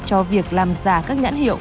cho việc làm giả các nhãn hiệu